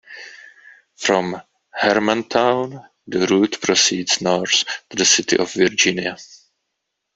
From Hermantown, the route proceeds north to the city of Virginia.